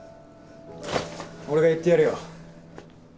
俺が言ってやるよ。